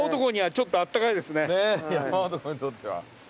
ねっ山男にとっては。